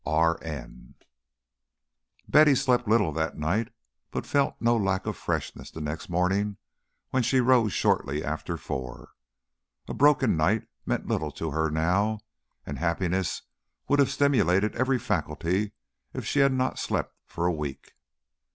R. N." Betty slept little that night, but felt no lack of freshness the next morning when she rose shortly after four. A broken night meant little to her now, and happiness would have stimulated every faculty if she had not slept for a week.